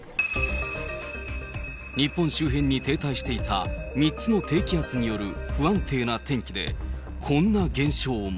日本周辺に停滞していた３つの低気圧による不安定な天気で、こんな現象も。